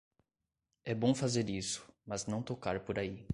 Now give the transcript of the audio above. É bom fazer isso, mas não tocar por aí.